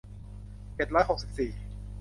เจ็ดร้อยหกสิบสี่